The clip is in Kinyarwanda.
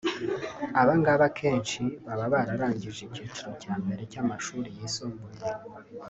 Abangaba akenshi baba bararangije icyiciro cya mbere cy’amashuri yisumbuye